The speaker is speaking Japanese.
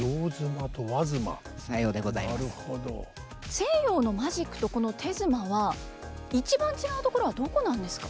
西洋のマジックとこの手妻は一番違うところはどこなんですか？